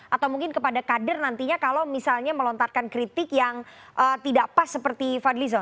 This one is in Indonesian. atau mungkin kepada kader nantinya kalau misalnya melontarkan kritik yang tidak pas seperti fadlizon